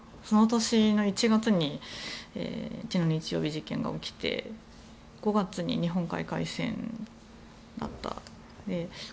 その年の１月に血の日曜日事件が起きて５月に日本海海戦があった。